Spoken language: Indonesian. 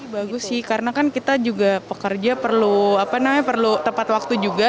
bagus sih karena kan kita juga pekerja perlu tepat waktu juga